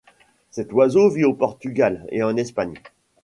Cet oiseau vit au Portugal et en Espagne.